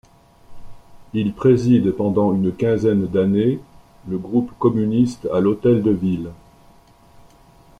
Il préside pendant une quinzaine d’années le groupe communiste à l'Hôtel de ville.